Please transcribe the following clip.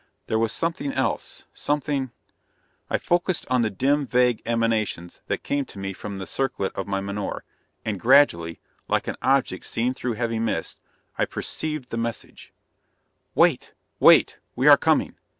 There was something else, something I focused on the dim, vague emanations that came to me from the circlet of my menore, and gradually, like an object seen through heavy mist, I perceived the message: "Wait! Wait! We are coming!